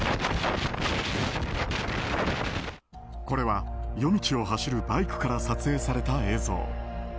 これは夜道を走るバイクから撮影された映像。